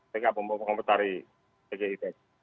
saya tidak mau mengomentari tgipf